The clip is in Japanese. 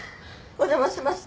お邪魔しました。